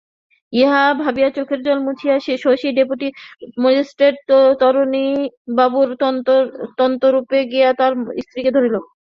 ইহা ভাবিয়া চোখের জল মুছিয়া শশী ডেপুটি ম্যাজিস্ট্রেট তারিণীবাবুর অন্তঃপুরে গিয়া তাঁহার স্ত্রীকে ধরিল।